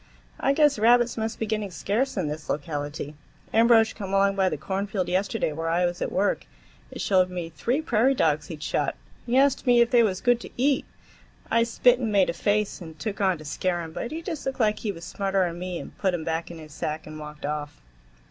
I guess rabbits must be getting scarce in this locality. Ambrosch come along by the cornfield yesterday where I was at work and showed me three prairie dogs he'd shot. He asked me if they was good to eat. I spit and made a face and took on, to scare him, but he just looked like he was smarter'n me and put 'em back in his sack and walked off."